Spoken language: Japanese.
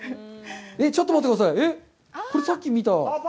ちょっと待ってください、これ、さっき見た。